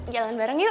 jalan bareng yuk